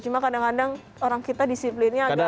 cuma kadang kadang orang kita disiplinnya agak